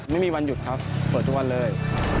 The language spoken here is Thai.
ไม่มีวันหยุดครับเปิดทุกวันเลย